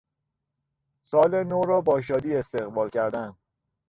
سال نو را با شادی استقبال کردن